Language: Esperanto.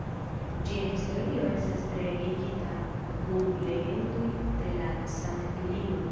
Ĝia historio estas tre ligita kun legendoj de la sanktulino.